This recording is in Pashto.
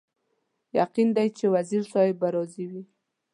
یقین دی چې وزیر صاحب به راضي وي.